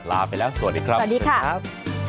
ลาไปแล้วสวัสดีครับ